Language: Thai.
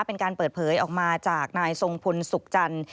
เป็นการเปิดเผยออกมาจากนายทรงพลสุขจันทร์